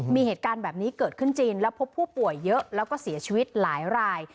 มีเหตุการณ์แบบนี้เกิดขึ้นจริงแล้วพบผู้ป่วยเยอะแล้วก็เสียชีวิตหลายราย